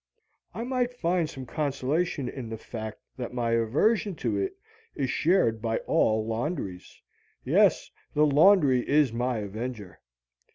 I might find some consolation in the fact that my aversion to it is shared by all laundries. Yes, the laundry is my avenger.